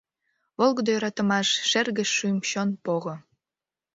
Волгыдо йӧратымаш — Шерге шӱм-чон пого.